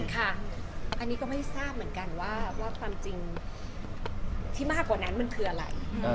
ค่ะอันนี้ก็ไม่ทราบเหมือนกันว่าความจริงที่มากกว่านั้นมันคืออะไร